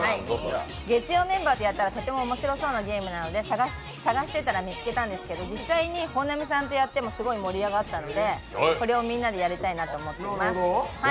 月曜メンバーとやったらとても面白そうなゲームを探したときに見つけて、実際に本並さんとやってもすごい盛り上がったので、これをみんなでやりたいなと思います。